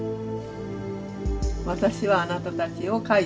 私はあなたたちを書いたと。